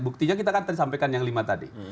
buktinya kita kan tadi sampaikan yang lima tadi